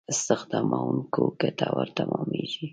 استخداموونکو ګټور تمامېږي.